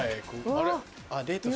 あれ？